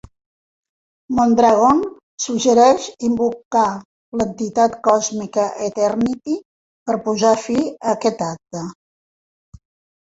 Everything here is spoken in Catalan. Moondragon suggereix invocar l'entitat còsmica Eternity per posar fi a aquest acte.